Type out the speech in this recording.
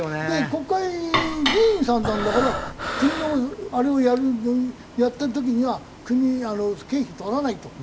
国会議員さんなんだから国のあれをやってる時には国経費取らないと。